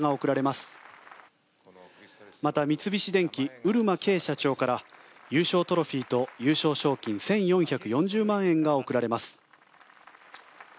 また三菱電機、漆間啓社長から優勝トロフィーと優勝賞金１４４０万円が贈られます。